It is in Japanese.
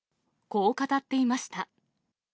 こう語っていました。